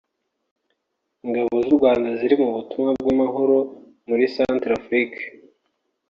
Ingabo z’u Rwanda ziri mu butumwa bw’amahoro muri Centrafrique